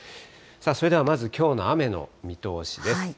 それではまず、きょうの雨の見通しです。